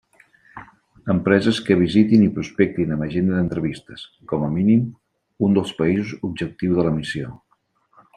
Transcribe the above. Empreses que visitin i prospectin amb agenda d'entrevistes, com a mínim, un dels països objectiu de la missió.